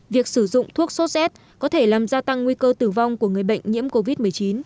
việc sử dụng thuốc sốt z có thể làm gia tăng nguy cơ tử vong của người bệnh nhiễm covid một mươi chín